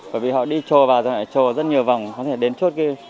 bởi vì họ đi trồ vào rồi lại trồ rất nhiều vòng có thể đến chốt kia